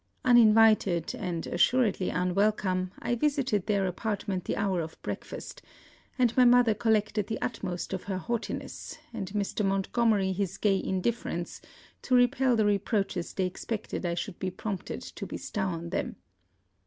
Uninvited and assuredly unwelcome, I visited their apartment the hour of breakfast, and my mother collected the utmost of her haughtiness and Mr. Montgomery his gay indifference, to repel the reproaches they expected I should be prompted to bestow on them.